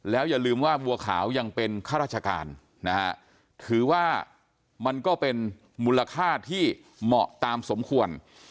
อย่าลืมว่าบัวขาวยังเป็นข้าราชการนะฮะถือว่ามันก็เป็นมูลค่าที่เหมาะตามสมควร